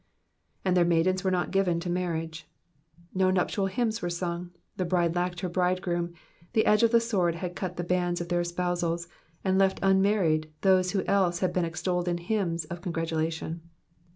*^^And their maidens mere not given to marriage,''* No nuptial hymns were sung, the bride lacked her bridegroom, the edge of the sword had cut the bands of their espousals, and left unmarried those who else had been extolled in hymns of congratulation.